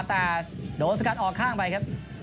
แต่โดนสกัดออกข้างไปครับ